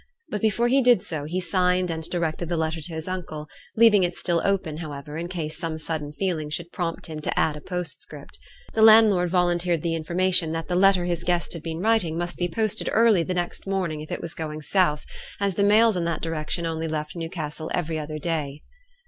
But before he did so, he signed and directed the letter to his uncle, leaving it still open, however, in case some sudden feeling should prompt him to add a postscript. The landlord volunteered the information that the letter his guest had been writing must be posted early the next morning if it was going south; as the mails in that direction only left Newcastle every other day.